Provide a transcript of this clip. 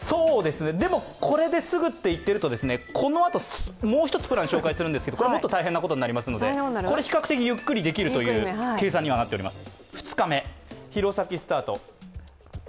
でも、これですぐって言ってるとこのあと、もう一つプラン紹介するんですけど、もっと大変になりますので比較的ゆっくりできるという計算にはなっております。